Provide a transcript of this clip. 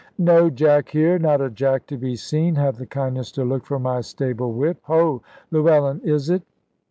"No Jack here! not a Jack to be seen. Have the kindness to look for my stable whip. Ho, Llewellyn is it?"